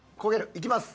いきます！